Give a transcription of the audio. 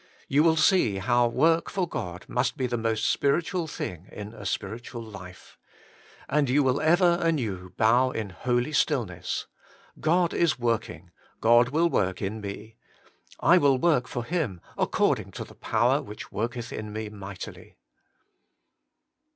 You will see how work for God must be the most spiritual thing in a spiritual life. And you will ever anew bow in holy still 132 Working for God ness: God is working; God will work in me ; I will work for Him according to the power which worketh in me mightily.